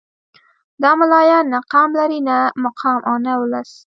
دا ملايان نه قام لري نه مقام او نه ولس.